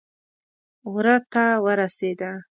وره ته ورسېده.